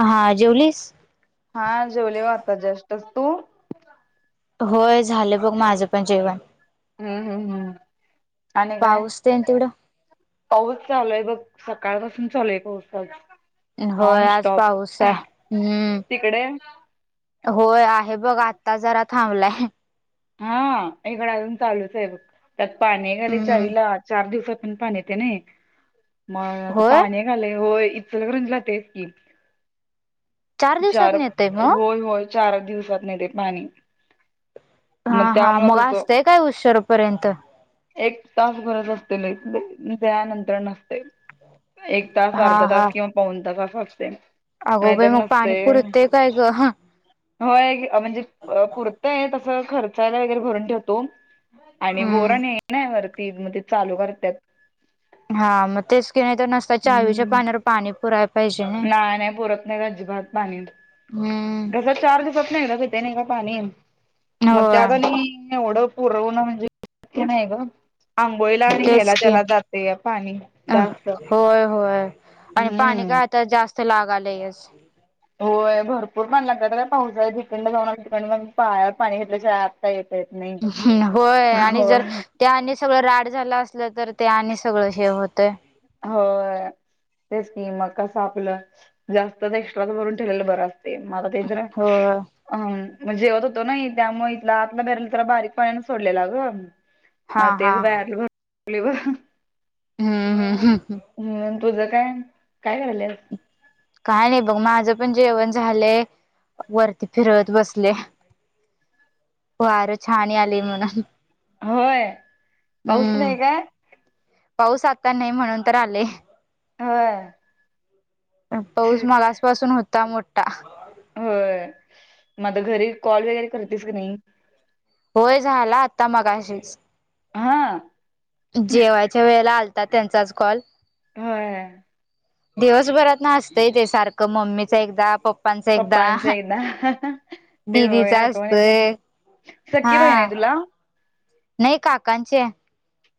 हा जेवलीस. हा, जेवले वाटतं जस्ट तू. होय झालं बघ माझं पण जेवण. हम्म, हम्म, हम आणि काय? पाऊस तेन तिकडं? पौष चालूय बघ, सकाळपासून चालूय एक वसाच. होय, आज पाऊस आहे. हम्म. तिकडे? होय, आहे बघ. आत्ता जरा थांबलाय. हा, इकडं अजून चालूच आहे बघ. त्यात पाणी आलंय, हम्म चावीला चार दिवसांतून पाणी येत नाही. मग होय पाणी एक आलंय होय इचलकरंजीला, तेच की. चार, दिवसातन येतय मग होय होय, चार दिवसात येतं पाणी. हा, हा, त्यामुळं मग कसं असतंय काय, उसरपर्यंत? एक तास भरत असते लाईट, लई, त्या नंतर नसते. एक तास, हा अर्धा हा तास किंवा पाऊण तास असं असते. अगो बाई, नाहीतर मग नसतय. पाणीपुरते काय गं? ह होय, म्हणजे पुरतंय तसं, खर्चायला वगैरे भरून ठेवतो. आणि हम्म. बोरण ये नाही वरती, मग ते चालू करतात. हा, मग तेच का नाही तर नुसता चावीच्या पाण्यावर पाणी पुरा ना, नाही पुरत नाही अजिबात पाणी हम्म कसंच. चार दिवसात एकदाच येतं ना पाणी, मग त्यात होय आणि एवढं. पुरवण म्हणजे हे नाही ग. आंघोळीला आणि घ्यायला तेच की. त्याला जातेय पाणी अ जास्त. होय, होय, आणि पाणी हम्म. काय आता जास्त लागायलंयच. होय, भरपूरच लागतात. पाऊस आहे, ठिकंड जाऊन ठिकाणी पायावर पाणी घेतल्याशिवाय. येत, येत नाही. होय आणि जर होय. त्या आणि सगळं राड झालं असलं तर ते आणि सगळं हे होतंय. हो, ते स्कीम मग कसं आपलं जास्त एक्स्ट्राच भरून ठेवलेलं बरं असतं. ते मलात्र. होय अ, जेवत होतो ना, त्यामुळे इथला आतला भेरयला त्याला बारीक पाण्यानं सोडलेला गं. हा हा [unintelligible] हम्म हम्म हम् हम्. हं, तुझं काय काय कार्यालयास. काय नाही बघ, माझं पण जेवण झालंय, वरती फिरवत बसले. वरं छान यालय म्हणून, होय पाऊस हम्म. नाही काय पाऊस आता नाही म्हणून तर आले. होय. पाऊस मगासपसून होता मोठा. होय, मग आता घरी कॉल वगैरे करतेस की नाही? होय, झाला आता, मगाशीच हा जेवायच्या वेळेला आ तात्यांचा आज कॉल. होय. दिवसभरात ना, असतंय ते सारखं मम्मीच एकदा पप् पप्पांच ही ना हं हाँ ते दिदीचा ह्या डोळ्याचं ना असतोय सख्खी बहिण हा आहे तुला? नाही काकांचे आहे.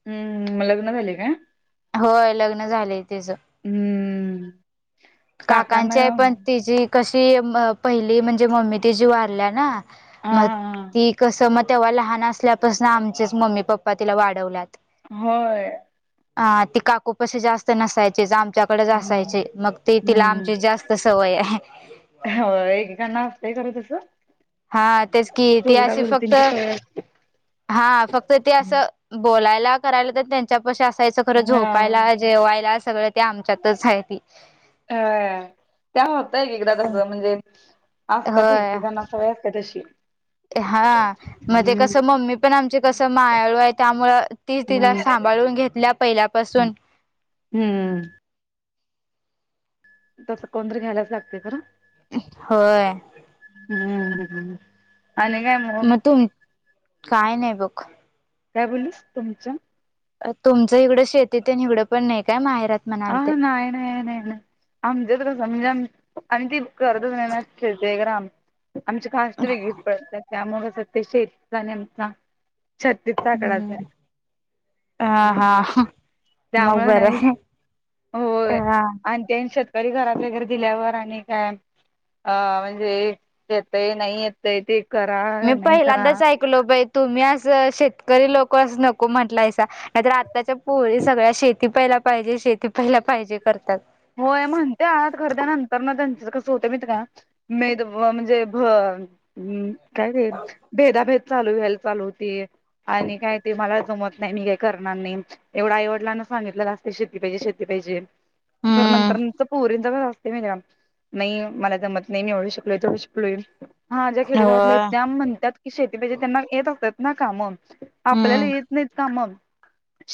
हम्म मग लग्न झाले आहे का? होय लग्न झालंय तेच. हम्म. काकांना काकांची आहे पण तिची कशी म पहिली म्हणजे मम्मी तिची वारल्या ना. हा मग. ती कसं मग तेव्हा लहान असल्यापासून आमचेच मम्मी पप्पा तिला वाढवल्यात. होय. हा ती काकू पशी जास्त नसायचीच आमच्याकडच असायचे हम्म मग ती तिला आमचीव जास्त सवय आहे ह्या. होय एक गाणं असतय कारे तसं? हा तेच कि, ती चुलता अशी फक्त चुलतींची सवय हा फक्त ते असते. असं बोलायला करायला तर त्यांच्यापशी असायचं खरं हा झोपायला जेवायला सगळं. त्या आमच्यातव हायती. ह त्या होतय इकड तस म्हणजे. [unintelligible] ते हां. म ते हम्म कसं मम्मी पण आमची कसं मायाळू आहे त्त्यामुळ ती तिला हम्म सांभाळून घेतल्या पहिल्यापासून. हम्म. तसं कोणतरी घ्यायलाच लागते खरं [unintelligible] होय. हुं हुं हुं. आणि काय मग? मग तुम्ही? काय नाही भूख. काय बोलूस तुमच? तुमचं इकडं शेतीत ही अन् एवढंपण नाही काय माहेरात? म्हणाल ते आहा नाही नाही नाही. आमच्या तर समजान आनी ती कर्ज देण्यात खेळते अगर आम्. आमची खास्ट आहे पण त्यामुळे कशे आहे अतीशय एक्सट्रा नेमता. चल तित्था कळवते. आ हा हा मग त्यामुळे बर नाही आहे. होय अ आणि त्यानसल. करी घरातली गर्दी [unintelligible] अ म्हणजे देतयही नाहीयेत. तैती करा. मी नाही करा पहिल्यांदाच ऐकलो बाई तुम्ही असं शेतकरी लोक असं नको म्हटलायसा. नाही तर आत्ताच्या पोरी सगळ्या शेती पहियला पाहिजे शेती पहियला पाहिजे करत्यात. होय म्हणत्यात खरं तर नंतर ना त्यांच कसं होतं माहिती आहे का? मेद भ म्हणजे भन उम काय रे? भेदाभेद. चालू व्हेल चालू होती आणि काय ते मला जमत नाही आणि हे करणार नाही. एवढ आईवडीलांना सांगितलेल असत शेती पाहिजे शेती पाहिजे खर हम्म नंतर पोरींच [unintelligible] नाही हो मला जमत नाही एवढी शकले तर. [unintelligible] हा ज्या खेडेगावातले आहेत होय त्या म्हणत्यात की शेती पाहिजे त्यांना येत होत्यात ना कामं. आपल्याला हम्म येत नाहीत काम.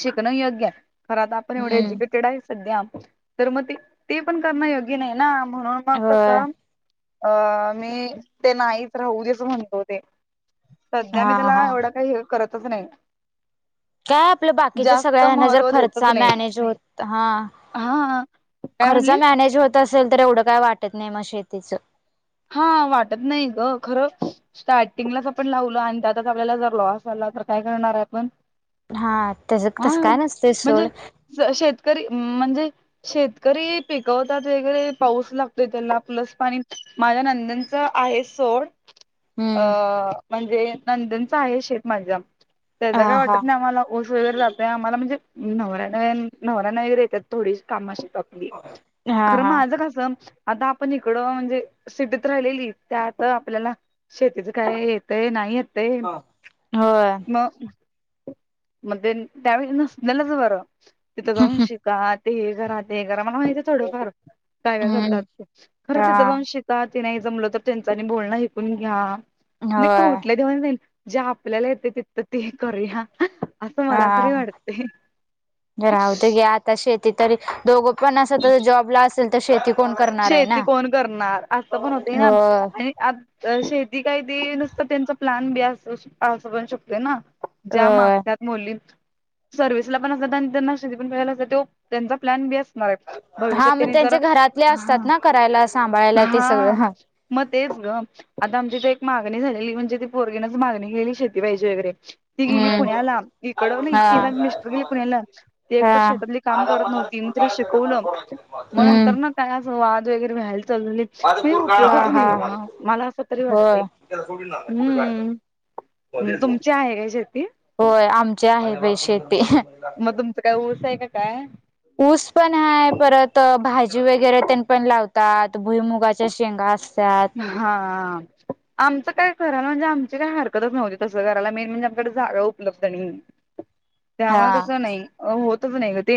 शिकणं योग्य खर आता आपण एवढे हम्म एज्युकेट टेड आहे सध्या आपण. तर मग ते ते पण करणं योग्य नाही ना, म्हणून मग होय कसं? अ मी ते नाहीच राहू देस म्हणतो ते संध्या हा मी त्याला हा एवढं काही हेल्प करतच नाही. काय आपल्या बाकीच्या जास्त सगळ्याना जर महत्त्व खर्च देतच नाही मॅनेज होत हा हा काय खर्च म्हणली मॅनेज होत असेल. तर एवढं काय वाटत नाही म शेतीचं. हा वाटत नाही ग. खरं स्टार्टिंगलाच आपण लावलं आणि त्यातच आपल्याला जर लॉस आला. तर काय करणार आहे आपण. हा त्याज्यात कसं काय नसत. सोड, श शेतकरी म्हणजे शेतकरी पिकवतात वगैरे पाऊस लागतोय त्यांना प्लस पाणी माझ्या नंदनच आहे सोड, अ हम्म म्हणजे नंदनच आहे शेत माझ्या. त्याच हा काय हा वाटत नाही आम्हाला. ऊस वगैरे लावताय. आम्हाला म्हणजे नवरा कायेन नवरा नाही ऐकत थोडीस, कामाशी प्रॉ हा खरं हा माझं कसं आता आपण इकडं म्हणजे सिटीत राहिलेली. त्यात आपल्याला शेतीच काय येतेय नाही येत. ते होय मग मध्येन त्यावेळी नसलेलच बरं. तिथं जाऊन शेत का ते करा ते करा मला माहिती थोडंफार, काय काय करतात हम्म ते, खरं तेथ हा जाऊन शेत ता ते नाही जमलं तर त्यांचा आणि बोलणं ऐकून घ्या. लीक होय खोटल्या देवानं सागि जे आपल्याला येतं. तिंथ ते करूया. असं मला तरी हा वाटते‌ त्या शेती तरी दोघं पण अस तरी जॉबला असेल तर शेती कोण करणार आहे शेती ना कोण करणार. असं पण होतय ना, हो आ शेती काय ती नुसतं त्यांचा प्लॅन बी असू असू पण शकते ना, ज्या हो मागतात मुलीच, सर्व्हिसला पण असतात. आणि त्यांना शेती पण करायला लावतात. तो त्यांचा प्लॅन बी अस मराठ भविष्यात त्यांनी जरा हे असतात ना, करायला, सांभाळायला ते सगळं ह म तेच गं. आता आमच्या इथ एक मागणी झालेली. म्हणजे ती पोरगीनच मागणी केली शेती पाहिजे वगैरे ती गेली हम्म पुण्याला. इकड न हा हा. तिन मिस्टरले पण नेलन एकतर हम्म शेतातली काम करत नव्हती. मग तिला शिकवलं. मग नंतर ना काय असं वाद वगैरे व्याहालतं अजून लई [unintelligible] हा उपयोगच नाही हा ग. मला असं तरी होय वाटते. हम्म, तुमची आहे काय शेती? होय. आमचे आहे बाई शेती. मग तुमचं काय ऊस आहे काय? ऊस पण हाय. परत भाजी वगैरे त्यांन पण लावतात. भुईमुगाच्या शेंगा अस सात हा... आमचं काय घराला म्हणजे आमची काय हरकतच नव्हती. तसं घराला मेन म्हणजे आमच्याकडे जागा उपलब्ध नाही. [inaudible] त्यामुळं कसं नाही. होतच नाही ग ते.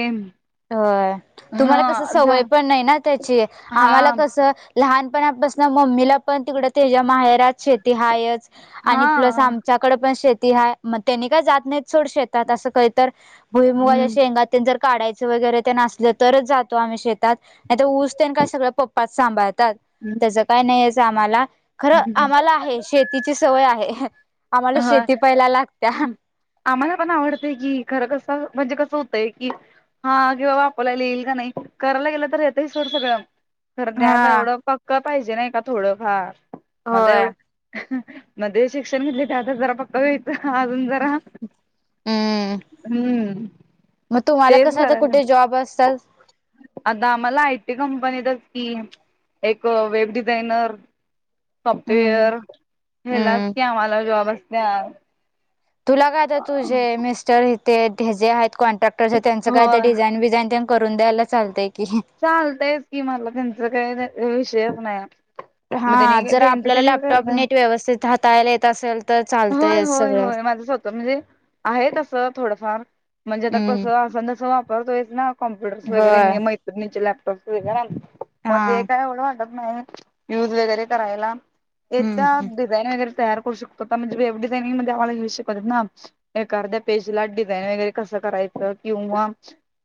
होय तुम्हाला कसं हा झा सवय पण नाही ना त्याची. आम्हाला हा कसं लहानपणापासनं मम्मीला पण तिकडं त्याच्या माहेरात शेती हायच आणि प्लस आम हा त्याच्याकडं पण शेती हाय, मग त्यांनी काय जात नाही सोड शेतात असं काधीतर भुईमुगाच्या हम्म शेंगा ते जर काडायचं वगैरे तेन असलं तरच जातो आम्ही शेतात, नाही तर ऊस तेन का सगळं पप्पाच सांभाळतात हम्. तसं काही नाही हेजं आम्हाला, खरं आम्हाला आहे शेतीची सवय आहे. आम्हाला ह शेती पहीला लागत्या. आम्हाला पण आवडतंय कि. खरं कसं म्हणजे कसं होतंय की हा किंवा बापोल्याला येईल का नाही, करायला गेलं तर येत सोड सगळं. खरं त्यात हा एवढं पक्क पाहिजे नाही का थोडं फार, मध्ये होय एवढं मध्ये शिक्षण घेतले, ते आता जरा पक् होयच अजून जरा, हम्म हम्म. मग तुम्हाला तेच कसं आता, करायला कुठे जॉब असतात? आता आम्हाला आयटी कंपनीतच की. एक वेब डिझायनर हम्म सॉफ्टवेअर, ह्येलाच हम्म की आम्हाला जॉब असत्यात. तुला काय आता तुझे मिस्टर इथे हे जे आहेत कॉन्ट्रॅक्टरचे आहेत, त्यांचं काय तर होय डिझाईन विझाईन तेन करून द्यायला चालतय की. चालतंयच कि, मला त्यांचा काही विषयच नाही. हा, मग त्यांनी जर त्यांच आपल्याला त्यांनीच लॅपटॉप करणार नीट, व्यवस्थित हाताळायला येत असेल तर होय चालतंयच होय सगळं. होय माझं स्वतः म्हणजे आहे तसं थोडंफार म्हणजे आता हम्म कसं, असं अन तसं वा परत होयच ना कम्प्युटर्स वगैरे होय मी मैत्रीणींचे लॅपटॉप्स वगैरे आणते, हा मग ते काय एवढं वाट तर का नाही, युज वगैरे करायला हम्म येतात, हम्म दि डिझाइन वगैरे तयार करू शकतो का म्हणजे वेब डिझाइनींग मध्ये आम्हाला युज शिकवतेत ना एक अर्द्या पेजला डिझाईन वगैरे कसं करायचं किंवा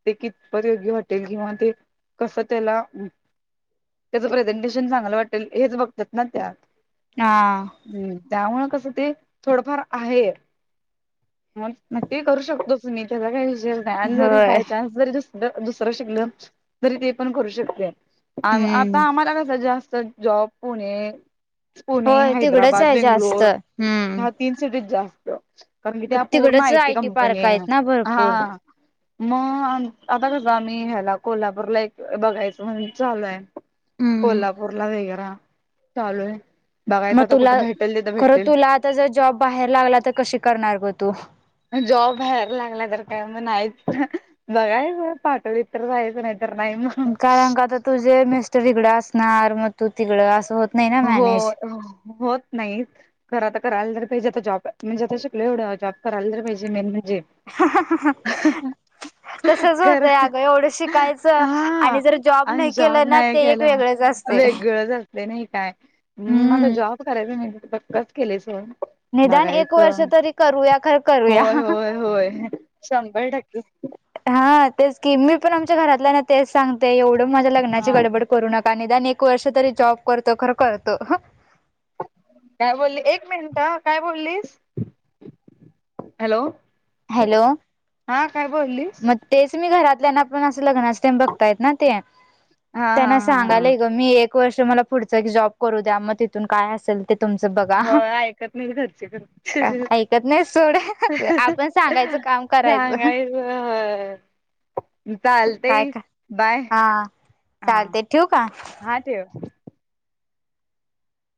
ते कितपत योग्य वाटेल किंवा ते कसं त्याला, त्याचं प्रेझेंटेशन चांगलं वाटेल हेच बघतात ना त्या. हा. हम्म, त्यामुळं कसं ते थोडंफार आहे. मग ते करू शकतोच मी, त्याचा काही विषयच नाही. आणि जरी होय बाय चान्स जरी जर दुसरं शिकलं तरी ते पण करू शकते. आ आता हम्म आम्हाला कसं जास्त जॉब पुणे पुणे, होय तिकडच हैदराबाद, आहे जास्त बेंगलोर हम्म ह्या तीन सिटीत जास्तं कारण कि ते हा पूर्ण तिकडच आयटी कंपनी पार्क आहे, आहेत ना भरपूर हा. मग, आता कसं आम्ही ह्याला कोल्हापूरला एक बघायचं म्हणून चालू आहे. हम्म कोल्हापूरला, वेगारा चालू आहे. बघायचं आता कुठं भेटेल, तिथे भेटतील. कुठं जर जॉब बाहेर लागला, तर कशी करणार गं तू? जॉब बाहेर लागला तर काय, मग नाहीच. बघायचं पाठवलीत तर जायचं, नाही तर नाही मग. कारण का आता तुझे मिस्टर इकडं असणार, मग तू तिकड असं हो हो, होत नाहीत. खरं आता करायला तर पाहिजे, आता जॉब. म्हणजे आता शिकलो एवढं, जॉब करायला तर पाहिजे. मेन म्हणजे हा हा हा. तसंच खर होतंय अगं, एवढं शिकायचं हा आणि जर जॉब आणि नाही केलं जॉब ना नाही ते एक केला वेगळंच असं वेगळंच असतं नाही काय. मग आता हम्म. जॉब करायचं, मी तर पक्कच केलंय सोड. निदान एक बघायच. वर्ष तरी करूया खर करूया. होय होय होय शंभर टक्के. हा तेच कि मी पण आमच्या घरातलं ना तेच सांगते एवढं माझ्या लग्नाची हा गडबड करू नका निदान एक वर्ष तरी जॉब करतो खर करतो. काय बोलली, एक मिनट हा, काय बोललीस? हॅलो! हॅलो! हा काय बोललीस [inaudible] म तेच मी घरातल्याना पण असं लग्न असते बघतायत ना ते. हा हा त्यांना हा हा सांगालय ग मी एक वर्ष मला पुढचं की जॉब करू द्या मग तिथून काय असेल ते तुमचं बघा, हो ऐकत नाही घरचे पण [inaudible] ऐकत नाही सोड. सांगायचं काम करायचं सांगायच होय. चालतय काय का बाय. हा हा चालते ठेवू का हा ठेव.